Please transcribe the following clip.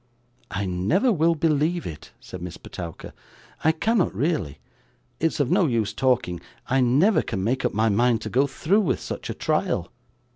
'I never will believe it,' said Miss Petowker; 'I cannot really. It's of no use talking, I never can make up my mind to go through with such a trial!